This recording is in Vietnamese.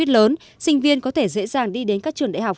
ở vị trí lớn sinh viên có thể dễ dàng đi đến các trường đại học